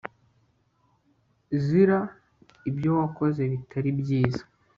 zira ibyo wakoze bitari byiza